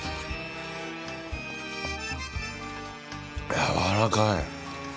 やわらかい。